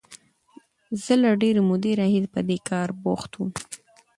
زه له ډېرې مودې راهیسې په دې کار بوخت وم.